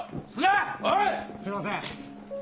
すいません！